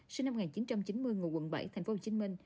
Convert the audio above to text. sinh năm một nghìn chín trăm chín mươi ngồi quận bảy tp hcm